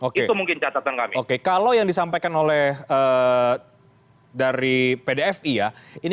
kasus ini oke mungkinasma oke kalau yang disampaikan oleh eh dari ptf iya ini